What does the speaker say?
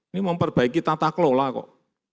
ini memperbaiki tata kelola kok